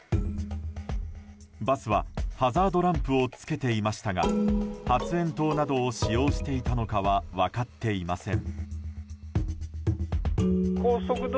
バスは、ハザードランプをつけていましたが発煙筒などを使用していたのかは分かっていません。